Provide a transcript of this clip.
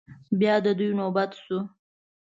بيا د دوی نوبت شو.